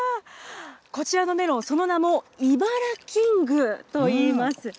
こちらのメロン、その名も、イバラキングといいます。